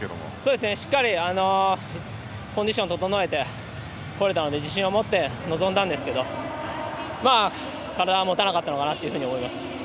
しっかりコンディションを整えてこれたので自信を持って臨んだんですが体が持たなかったのかなと思います。